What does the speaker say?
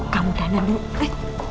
kamu dana dulu